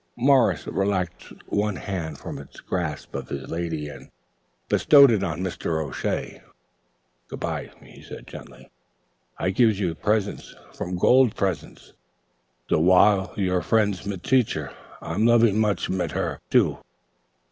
Morris relaxed one hand from its grasp on his lady and bestowed it on Mr. O'Shea. "Good by," said he gently. "I gives you presents, from gold presents, the while you're friends mit Teacher. I'm loving much mit her, too."